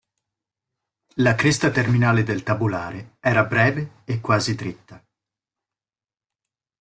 La cresta terminale del tabulare era breve e quasi dritta.